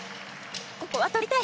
ここは取りたい。